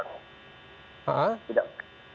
artinya ini bang